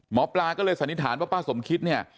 หมอปลาก็เลยสันนิษฐานพ่อป้าสมคิต